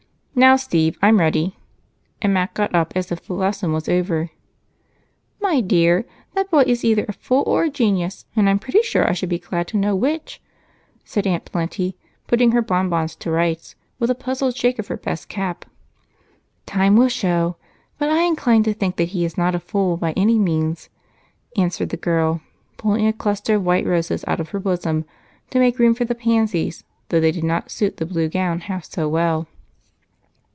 Now, Steve, I'm ready." And Mac got up as if the lesson was over. "My dear, that boy is either a fool or a genius, and I'm sure I should be glad to know which," said Aunt Plenty, putting her bonbons to rights with a puzzled shake of her best cap. "Time will show, but I incline to think that he is not a fool by any means," answered the girl, pulling a cluster of white roses out of her bosom to make room for the pansies, though they did not suit the blue gown half so well.